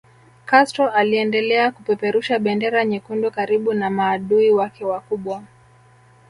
Castro aliendelea kupeperusha bendera nyekundu karibu na maadui wake wakubwa